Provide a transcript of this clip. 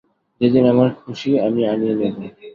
যেদিন আমার খুশি আমি আনিয়ে নেব।